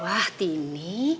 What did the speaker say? wah tin ini